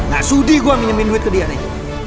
gak sudi gue minjemin duit ke dia nih